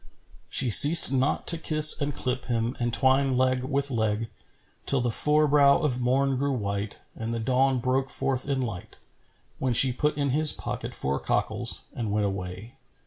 She ceased not to kiss and clip him and twine leg with leg, till the forebrow of Morn grew white and the dawn broke forth in light; when she put in his pocket four cockals[FN#411] and went away.